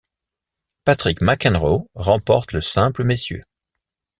Patrick McEnroe remporte le simple messieurs.